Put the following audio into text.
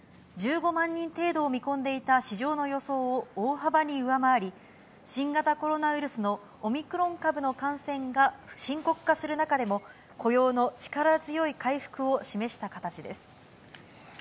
１５万人程度を見込んでいた市場の予想を大幅に上回り、新型コロナウイルスのオミクロン株の感染が深刻化する中でも、雇用の力強い回復を示した形です。